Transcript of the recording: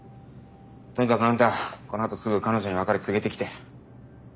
とにかくあんたこのあとすぐ彼女に別れ告げてきて。